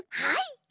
はい！